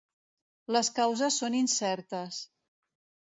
Les causes són incertes.